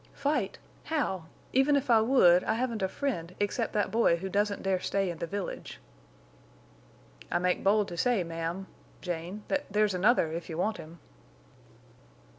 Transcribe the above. "Fight! How? Even if I would, I haven't a friend except that boy who doesn't dare stay in the village." "I make bold to say, ma'am—Jane—that there's another, if you want him."